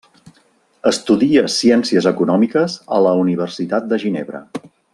Estudia ciències econòmiques a la Universitat de Ginebra.